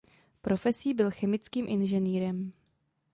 Profesí byl chemickým inženýrem.